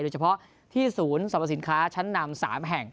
โดยเฉพาะที่ศูนย์สรรพสินค้าชั้นนำ๓แห่ง